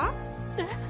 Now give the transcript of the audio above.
えっ！？